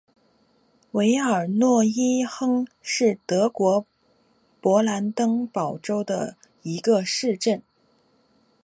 韦尔诺伊亨是德国勃兰登堡州的一个市镇。